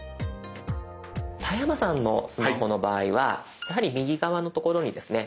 田山さんのスマホの場合はやはり右側のところにですね